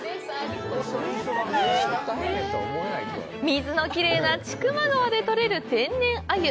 水のきれいな千曲川でとれる天然アユ。